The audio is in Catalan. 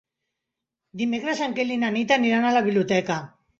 Dimecres en Quel i na Nit aniran a la biblioteca.